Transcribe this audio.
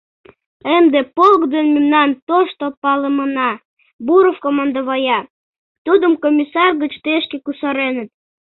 Ынде полк ден мемнан тошто палымына — Буров командовая: тудым комиссар гыч тышке кусареныт.